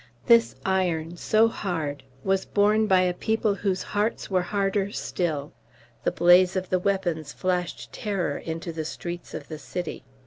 This iron, so hard, was borne by a people whose hearts were harder still. The blaze of the weapons flashed terror into the streets of the city."